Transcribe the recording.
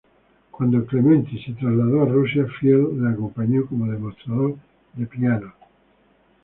Cuando Clementi se trasladó a Rusia, Field le acompañó como demostrador de pianos.